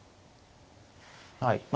はい。